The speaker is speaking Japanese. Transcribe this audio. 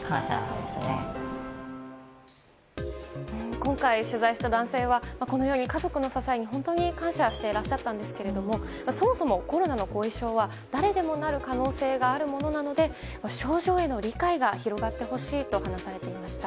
今回、取材した男性はこのように家族の支えに本当に感謝していらっしゃったんですがそもそもコロナ後遺症は、誰でもなる可能性があるものなので症状への理解が広がってほしいと話されていました。